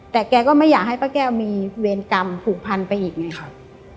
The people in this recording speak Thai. แต่แกก็ไม่อยากให้ป้าแก้วมีเวรกรรมผูกพันไปอีกไงครับ